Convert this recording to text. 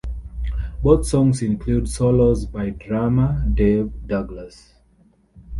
Both songs include solos by drummer Dave Douglas.